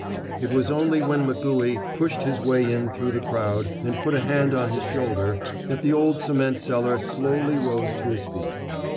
It was only when McCooey pushed his way in through the crowd and put a hand on his shoulder that the old cement seller slowly rose to his feet.